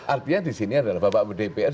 artinya di sini adalah bapak dpr